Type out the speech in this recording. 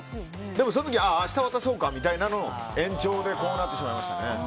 でも、その時明日渡そうかみたいなのの延長でこうなってしまいましたね。